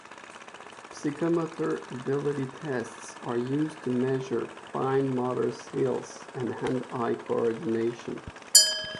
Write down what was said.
Psychomotor-ability tests are used to measure fine motor skills and hand-eye coordination.